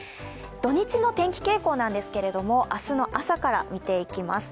土日の天気傾向なんですけど、明日の朝から見ていきます。